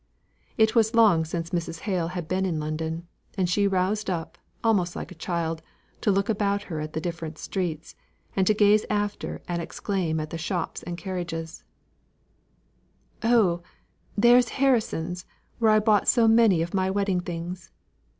It was long since Mrs. Hale had been in London; and she roused up, almost like a child, to look about her at the different streets, and to gaze after and exclaim at the shops and carriages, "Oh, there's Harrison's, where I bought so many of my wedding things.